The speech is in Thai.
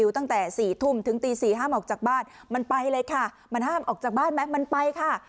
ตั้งแต่๔ทุ่มถึงตี๔ห้ามออกจากบ้านมันไปเลยค่ะมันห้ามออกจากบ้านไหมมันไปค่ะ